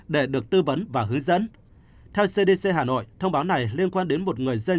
để được tư vấn và hướng dẫn theo cdc hà nội thông báo này liên quan đến một người dân